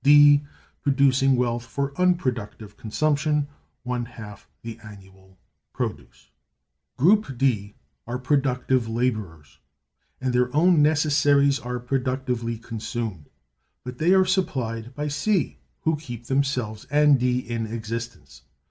(D) Producing wealth for unproductive consumption (A), one half the annual produce. Group D are productive laborers, and their own necessaries are productively consumed, but they are supplied by C, who keep themselves and D in existence.